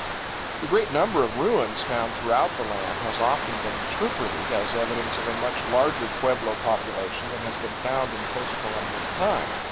The great number of ruins found throughout the land has often been interpreted as evidence of a much larger pueblo population than has been found in post Columbian time.